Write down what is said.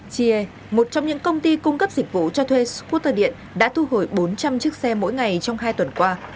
chier một trong những công ty cung cấp dịch vụ cho thuê scooter điện đã thu hồi bốn trăm linh chiếc xe mỗi ngày trong hai tuần qua